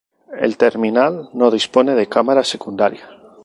El terminal no dispone de cámara secundaria.